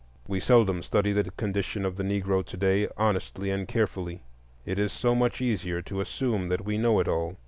We seldom study the condition of the Negro to day honestly and carefully. It is so much easier to assume that we know it all.